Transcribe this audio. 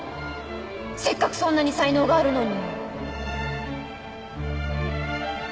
せっかくそんなに才能があるのに！